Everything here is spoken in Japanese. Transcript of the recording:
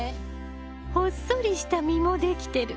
ほっそりした実もできてる。